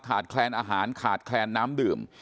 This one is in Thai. แคลนอาหารขาดแคลนน้ำดื่ม